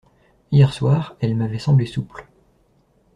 Hier soir, elles m’avaient semblé souples.